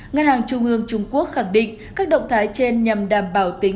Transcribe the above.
ngân hàng trung ương trung quốc khẳng định các động thái trên nhằm đảm bảo tính